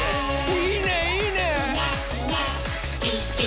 「いいねいいね！」